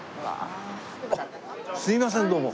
すいませんどうも。